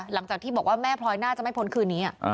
หลังจากที่บอกว่าแม่พลอยน่าจะไม่พ้นคืนนี้